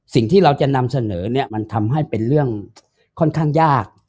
สิ่งที่เราจะนำเสนอเนี่ยมันทำให้เป็นเรื่องค่อนข้างยาก